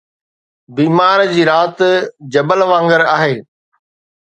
بيمار جي رات جبل وانگر آهي